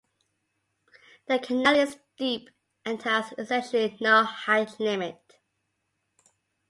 The canal is deep and has essentially no height limit.